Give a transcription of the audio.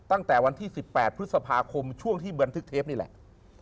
ตั้งแต่วันที่๑๘พฤษภาคมช่วงที่บันทึกเทปนี่แหละ